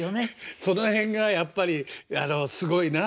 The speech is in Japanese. その辺がやっぱりすごいな。